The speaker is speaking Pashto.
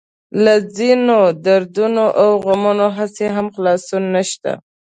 له ځينو دردونو او غمونو هسې هم خلاصون نشته.